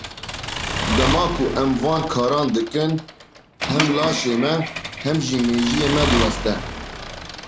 Dema ku em van karan dikin, hem laşê me, hem jî mejiyê me diweste.